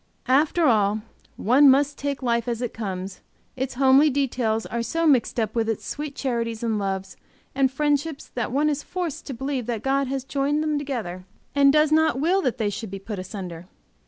After all, one must take life as it comes, its homely details are so mixed up with its sweet charities, and loves, and friendships that one is forced to believe that God has joined them together and does not will that they should be put asunder.